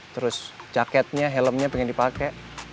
terus jaketnya helmnya pengen dipakai